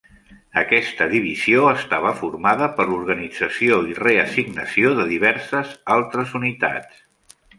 Aquesta divisió estava formada per l'organització i reassignació de diverses altres unitats.